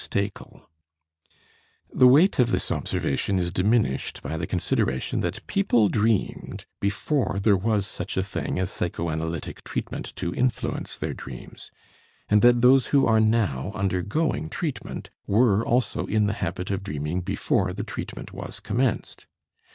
Stekel). The weight of this observation is diminished by the consideration that people dreamed before there was such a thing as a psychoanalytic treatment to influence their dreams, and that those who are now undergoing treatment were also in the habit of dreaming before the treatment was commenced.